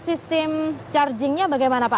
sistem chargingnya bagaimana pak